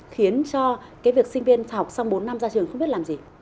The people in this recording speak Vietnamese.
khiến cho cái việc sinh viên học xong bốn năm ra trường không biết làm gì